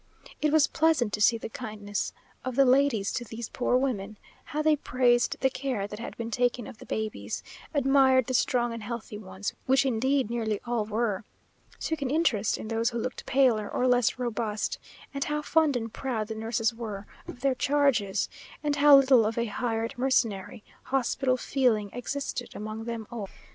It was pleasant to see the kindness of the ladies to these poor women; how they praised the care that had been taken of the babies; admired the strong and healthy ones, which indeed nearly all were; took an interest in those who looked paler, or less robust; and how fond and proud the nurses were of their charges; and how little of a hired, mercenary, hospital feeling existed among them all....